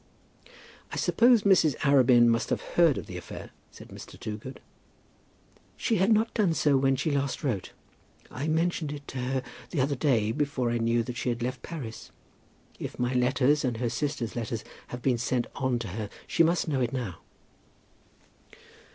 "I suppose Mrs. Arabin must have heard of the affair?" said Mr. Toogood. "She had not done so when she last wrote. I mentioned it to her the other day, before I knew that she had left Paris. If my letters and her sister's letters have been sent on to her, she must know it now."